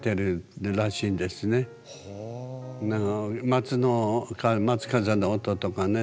松の松風の音とかね